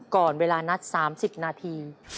ก่อนเวลานัด๓๐นาที